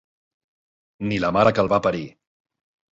Ni la mare que el va parir.